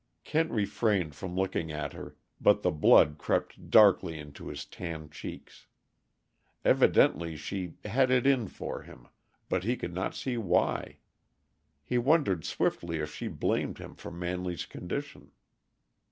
Kent refrained from looking at her, but the blood crept darkly into his tanned cheeks. Evidently she "had it in for him," but he could not see why. He wondered swiftly if she blamed him for Manley's condition.